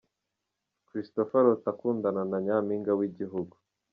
Christopher arota akundana na Nyampinga w'igihugu.